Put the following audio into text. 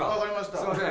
すいません。